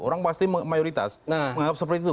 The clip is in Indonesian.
orang pasti mayoritas menganggap seperti itu